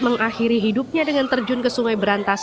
mengakhiri hidupnya dengan terjun ke sungai berantas